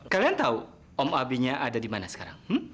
kalian tahu om abinya ada di mana sekarang